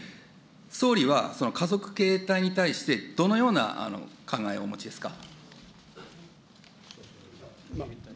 総理は、家族経営体に対して、どのような考えをお持ちですか。